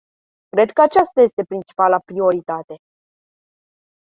Cred că aceasta este principala prioritate.